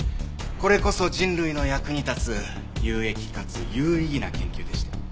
これこそ人類の役に立つ有益かつ有意義な研究でして。